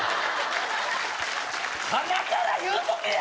はなから言うとけや！